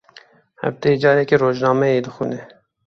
Hefteyê carekê rojnameyê dixwîne.